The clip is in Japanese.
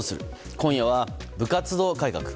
今夜は部活動改革。